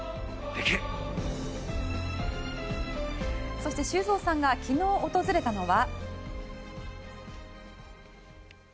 そして修造さんが昨日訪れたのは。